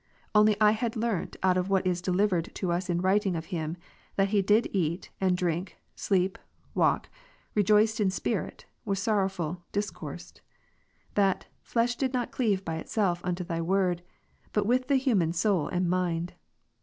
Only I had learnt out of what is deli vered to us in writing of Him, that He did eat, and drink, sleep, walk, rejoiced in spirit, was sorroAvful, discoursed ; that, flesh did not cleave by itself unto Thy Word, but with the human soul and mind.